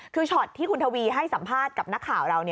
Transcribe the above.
คือช็อตที่คุณทวีให้สัมภาษณ์กับนักข่าวเรา